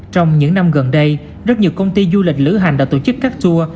trong những năm gần đây rất nhiều công ty du lịch lữ hành đã tổ chức các tour